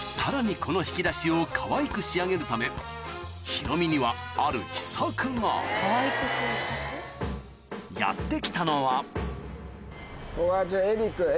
この引き出しをかわいく仕上げるためヒロミにはある秘策がやって来たのはここは。